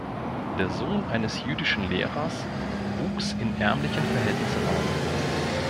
Der Sohn eines jüdischen Lehrers wuchs in ärmlichen Verhältnissen auf.